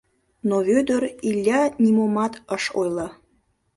Но Вӧдыр Иля нимомат ыш ойло.